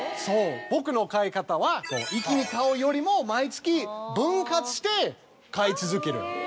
そう僕の買い方は一気に買うよりも毎月分割して買い続ける。